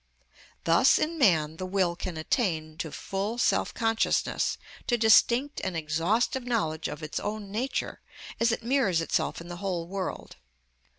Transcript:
Thus in man the will can attain to full self consciousness, to distinct and exhaustive knowledge of its own nature, as it mirrors itself in the whole world.